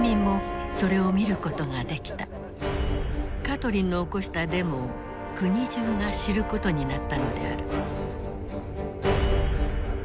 カトリンの起こしたデモを国中が知ることになったのである。